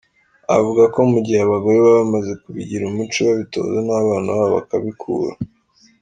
Avuga ko mu gihe abagore baba bamaze kubigira umuco babitoza n’abana babo bakabikura.